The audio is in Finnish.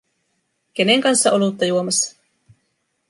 Kenen kanssa olutta juomassa?